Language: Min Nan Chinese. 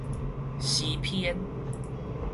詩篇